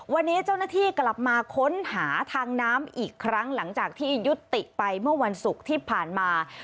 วันนี้เจ้าหน้าที่กลับมาค้นหาทางน้ำอีกครั้งหลังจากที่ยุติไปเมื่อวันศุกร์ที่ผ่านมา